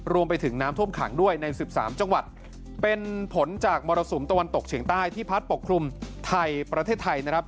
รวมไปถึงน้ำท่วมขังด้วยใน๑๓จังหวัดเป็นผลจากมรสุมตะวันตกเฉียงใต้ที่พัดปกคลุมไทยประเทศไทยนะครับ